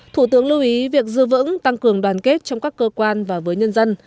thủ tướng lưu ý việc dư vững tăng cường đoàn kết trong các cơ quan và với nhân dân